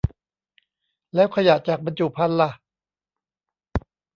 แล้วขยะจากบรรจุภัณฑ์ล่ะ